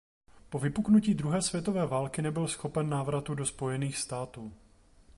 Po vypuknutí druhé světové války nebyl schopen návratu do Spojených států.